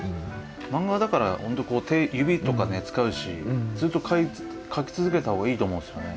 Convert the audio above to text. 漫画だから指とか使うしずっと描き続けた方がいいと思うんですよね。